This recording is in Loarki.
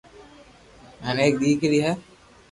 ھين ايڪ ديڪري ھي